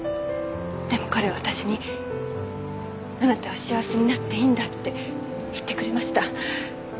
でも彼は私に「あなたは幸せになっていいんだ」って言ってくれました。